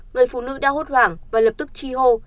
người phụ nữ đã hốt hoảng và lập tức chi hô